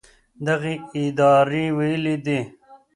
دغې ادارې ویلي دي